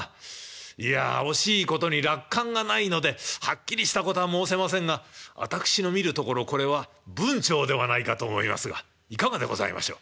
いや惜しいことに落款がないのではっきりしたことは申せませんが私の見るところこれは文晁ではないかと思いますがいかがでございましょう？